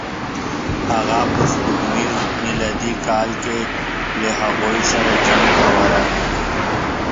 هغه په سپوږمیز میلادي کال کې له هغوی سره جنګ ته ورغی.